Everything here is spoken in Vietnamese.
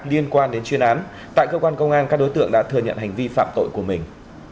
liên quan đến chuyên án tại cơ quan công an các đối tượng đã thừa nhận hành vi phạm tội của mình